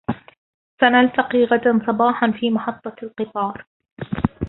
سنلتقي غداً صباحاً في محطة القطار.